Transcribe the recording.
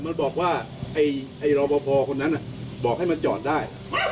มันบอกว่าไอ้รอปภคนนั้นบอกให้มันจอดได้